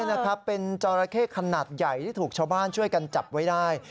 นี่นะครับเป็นจอราเข้ขนาดใหญ่ที่ถูกชาวบ้านช่วยกันจับไว้ได้